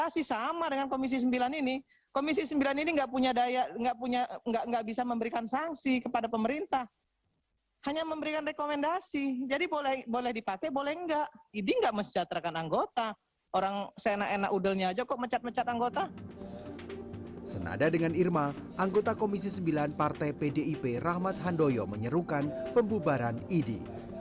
senada dengan irma anggota komisi sembilan partai pdip rahmat handoyo menyerukan pembubaran idi